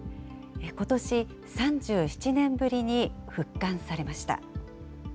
ことし、３７年ぶりに復刊されました。